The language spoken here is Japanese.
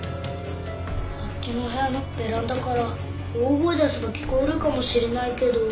あっちの部屋のベランダから大声出せば聞こえるかもしれないけど。